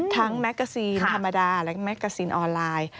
ทั้งแมกกาซินธรรมดาและแมกกาซินออนไลน์